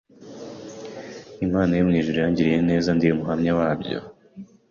Imana yo mu ijuru yangiriye neza ndi umuhamya wabyo